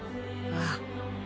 ああ。